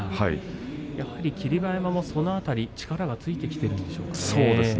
やはり霧馬山、その辺り力がついてきているんでしょうか。